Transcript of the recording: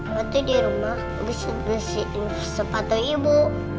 nanti di rumah bisa bersihin sepatu ibu